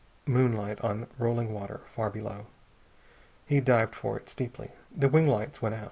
Moonlight on rolling water, far below. He dived for it, steeply. The wing lights went on.